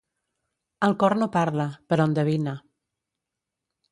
El cor no parla, però endevina.